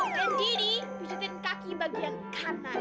dan didi pucetin kaki bagian kanan